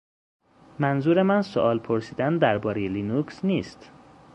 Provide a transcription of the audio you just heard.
منظور من سؤال پرسیدن دربارهٔ لینوکس نیست